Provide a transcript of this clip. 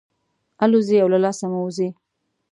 الوزي او له لاسه مو وځي.